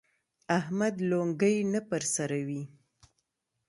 احمد لونګۍ نه پر سروي.